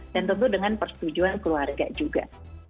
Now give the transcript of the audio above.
dan tentu dengan persetujuan keluarga juga